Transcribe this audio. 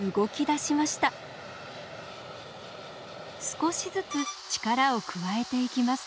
少しずつ力を加えていきます。